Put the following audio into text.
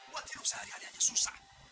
buat hidup sehari hari aja susah